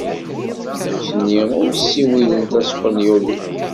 Netni ul ssiwilen Taspanyolit.